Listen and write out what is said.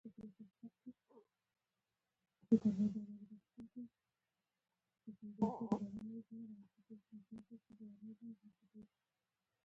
نظریه د ثبوت شوي حقیقت تشریح ده